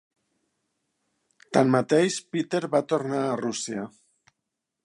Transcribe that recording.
Tanmateix, Peter va tornar a Rússia.